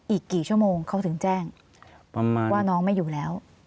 อีกกี่ชั่วโมงเขาถึงแจ้งประมาณว่าน้องไม่อยู่แล้ว